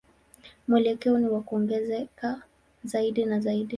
Mwelekeo ni wa kuongezeka zaidi na zaidi.